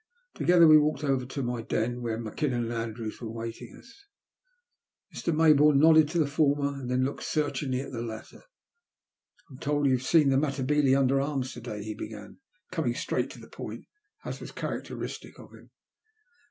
Together we walked ovei* to my don where Mackinnon and Andrews were awaiting us. Mr. Maybourne nodded to the former and then looked searchingly at the latter. " I am told that you have seen the Matabele under arms to day," he began, coming straight to the point, as was characteristic of him.